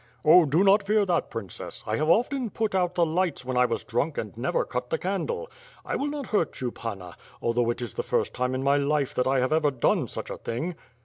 "Oh do not fear that, princess. I have often put out the lights when I was drunk and never cut the candle? I will not hurt you Panna, although it is the first time in my life that I have ever done such a thing."